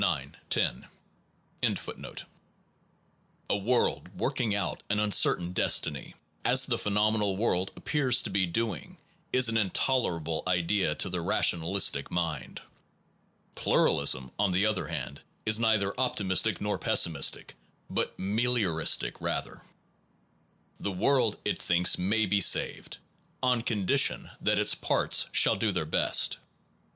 141 SOME PROBLEMS OF PHILOSOPHY A world working out an uncertain destiny, its de as the phenomenal world appears to be doing, is an intolerable idea to the rationalistic mind. Pluralism, on the other hand, is neither optimistic nor pessimistic, but melioristic, rather. The world, it thinks, may be saved, on condition that its parts shall do their best.